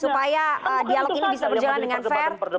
supaya dialog ini bisa berjalan dengan fair